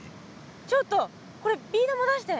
ちょっとこれビー玉出して。